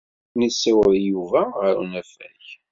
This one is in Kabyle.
Ad ken-yessiweḍ Yuba ɣer unafag.